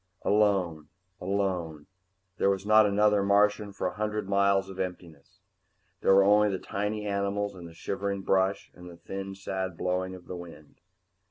Alone, alone. There was not another Martian for a hundred miles of emptiness. There were only the tiny animals and the shivering brush and the thin, sad blowing of the wind.